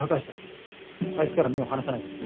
あいつから目を離さないでくれ。